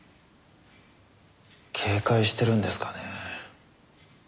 警戒してるんですかね。